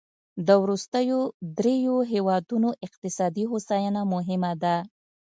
د وروستیو دریوو هېوادونو اقتصادي هوساینه مهمه ده.